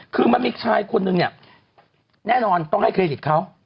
คือมันมีชายคนนึงเนี่ยแน่นอนต้องให้เครดิตเขา